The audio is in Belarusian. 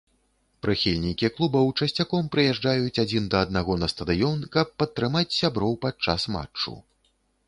Прыхільнікі клубаў часцяком прыязджаюць адзін да аднаго на стадыён, каб падтрымаць сяброў падчас матчу.